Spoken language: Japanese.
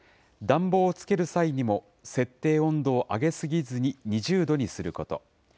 暖房をつける際にも、設定温度を上げ過ぎずに２０度にすること。